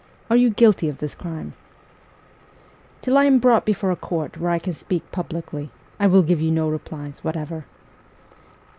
Are you guilty of this crime ?'' Till I am brought before a court where I can speak publicly, I will give you no replies whatever.'